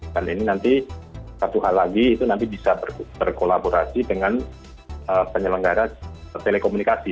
dan ini nanti satu hal lagi itu nanti bisa berkolaborasi dengan penyelenggara telekomunikasi